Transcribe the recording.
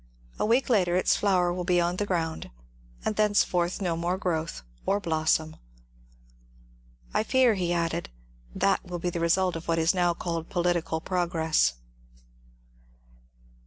A week later its flower will be on the ground, and thenceforth no more growth or blossom. I fear," he added, ^Hhat will be the result of what is now called political progress."